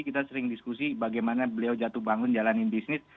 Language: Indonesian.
bagaimana dia bisa jadi teknologi bagaimana dia bisa jalanin bisnis